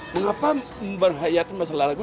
mengapa berhayat masalah lagu